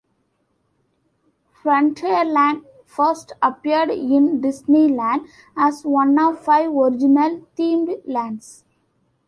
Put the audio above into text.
Frontierland first appeared in Disneyland as one of five original themed lands.